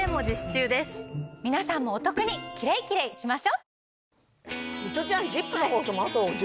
皆さんもお得にキレイキレイしましょう！